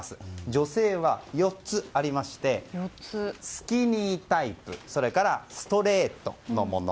女性は４つありましてスキニータイプストレートのもの